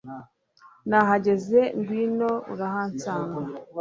nahageze ngwino urahansanga